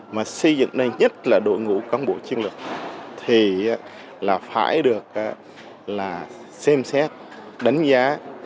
mà xây dựng nên nhất là đội ngũ cán bộ chiến lược thì phải được xem xét đánh giá